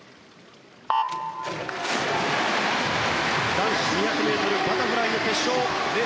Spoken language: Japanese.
男子２００ｍバタフライの決勝。